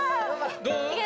どう？